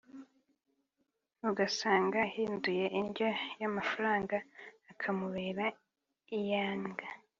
ugasanga ahinduye indyo ya mafaranga akamubera iyanga